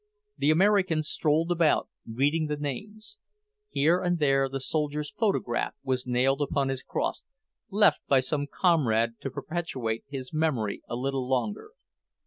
The Americans strolled about, reading the names. Here and there the soldier's photograph was nailed upon his cross, left by some comrade to perpetuate his memory a little longer.